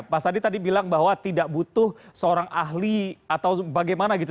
mas adi tadi bilang bahwa tidak butuh seorang ahli atau bagaimana gitu